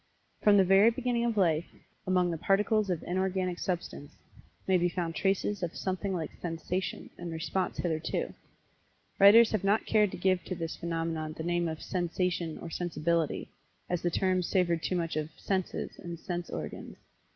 From the very beginning of Life among the Particles of Inorganic Substance, may be found traces of something like Sensation, and response thereto. Writers have not cared to give to this phenomenon the name of "sensation," or "sensibility," as the terms savored too much of "senses," and "sense organs."